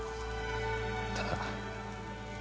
ただ。